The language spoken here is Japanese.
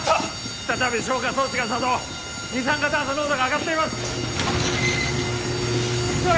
再び消火装置が作動二酸化炭素濃度が上がっています急げ！